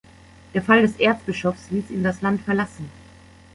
Der Fall des Erzbischofs ließ ihn das Land verlassen.